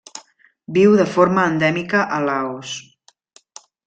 Viu de forma endèmica a Laos.